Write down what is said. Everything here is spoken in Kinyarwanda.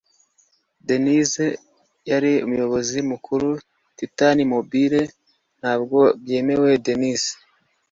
dennis yari umuyobozi mukuru, titan mobile! ntabwo byemewe! dennis